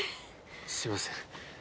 すいません。